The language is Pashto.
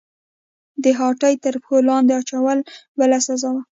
د هاتي تر پښو لاندې اچول بله سزا وه.